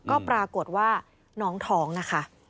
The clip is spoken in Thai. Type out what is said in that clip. ก็ปรากฏว่าน้องท้องนะคะ